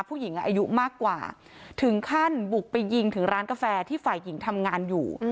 ผู้หญิงอายุมากกว่าถึงขั้นบุกไปยิงถึงร้านกาแฟที่ฝ่ายหญิงทำงานอยู่